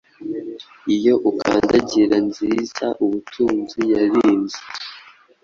Iyo ukandagira nziza ubutunzi yarinze